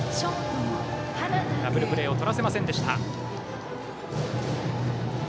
ダブルプレーをとらせませんでした。